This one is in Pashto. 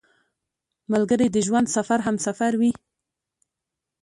ملګری د ژوند سفر همسفر وي